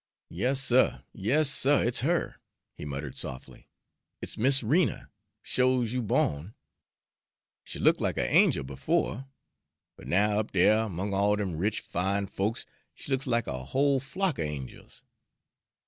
"Yas, suh, yas, suh, it's her!" he muttered softly. "It's Miss Rena, sho's you bawn. She looked lack a' angel befo', but now, up dere 'mongs' all dem rich, fine folks, she looks lack a whole flock er angels.